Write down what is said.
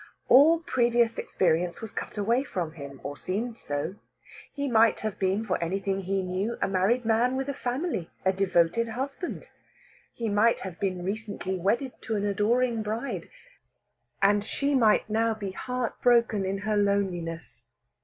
All previous experience was cut away from him, or seemed so. He might have been, for anything he knew, a married man with a family, a devoted husband. He might have been recently wedded to an adoring bride, and she might now be heart broken in her loneliness.